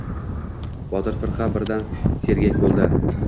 Botir firqa birdan sergak bo‘ldi.